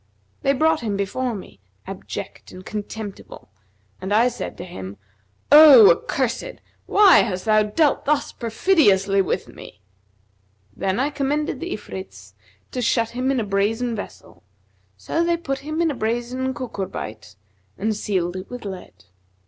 They brought him before me, abject and contemptible, and I said to him, 'O accursed, why hast thou dealt thus perfidiously with me?' Then I com mended the Ifrits to shut him in a brazen vessel[FN#245] so they put him in a brazen cucurbite and sealed it with lead.